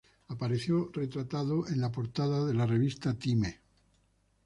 Apareció retratado en la portada de la revista "Time".